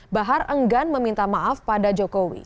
bahar enggan meminta maaf pada jokowi